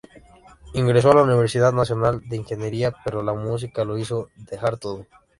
Ingresó a la Universidad Nacional de Ingeniería pero la música lo hizo dejar todo.